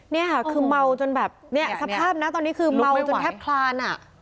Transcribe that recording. นี่ค่ะคือเมาจนแบบเนี่ยสภาพนะตอนนี้คือเมาจนแทบคลานอ่ะ